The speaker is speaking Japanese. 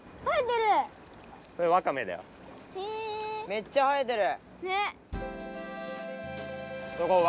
めっちゃ生えてる。